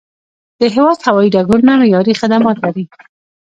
د هیواد هوایي ډګرونه معیاري خدمات لري.